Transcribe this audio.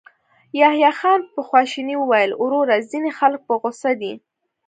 يحيی خان په خواشينۍ وويل: وروره، ځينې خلک په غوسه دي.